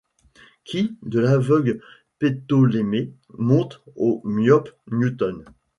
Qui, de l’aveugle Ptolémée, Montent au myope Newton!